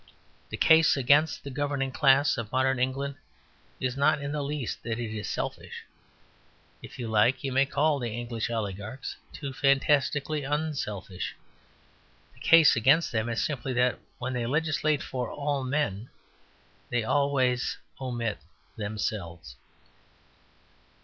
The case against the governing class of modern England is not in the least that it is selfish; if you like, you may call the English oligarchs too fantastically unselfish. The case against them simply is that when they legislate for all men, they always omit themselves.